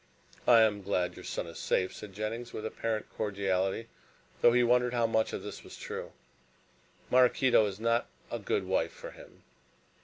"I am glad your son is safe," said Jennings, with apparent cordiality, though he wondered how much of this was true. "Maraquito is not a good wife for him.